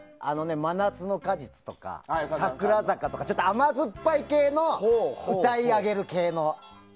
「真夏の果実」とか「桜坂」とか甘酸っぱい系の歌い上げる系の。